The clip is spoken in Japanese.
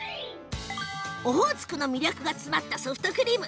オホーツクの魅力が詰まったソフトクリーム。